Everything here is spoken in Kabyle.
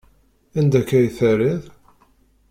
Anda akka i terriḍ?